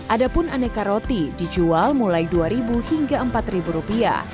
ada pun aneka roti dijual mulai dua ribu hingga empat ribu rupiah